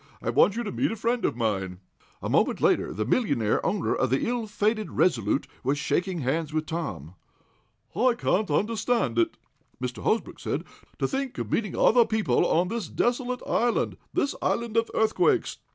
I want you to meet a friend of mine." A moment later, the millionaire owner of the ill fated RESOLUTE was shaking hands with Tom. "I can't understand it," Mr. Hosbrook said. "To think of meeting other people on this desolate island this island of earthquakes."